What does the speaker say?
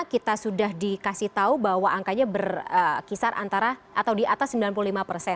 kita sudah dikasih tahu bahwa angkanya berkisar antara atau di atas sembilan puluh lima persen